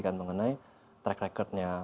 kan mengenai track record nya